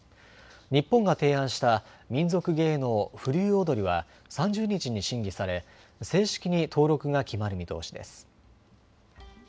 日本が提案した民俗芸能、風流踊は３０日に審議され正式に登録が決まる見通しです。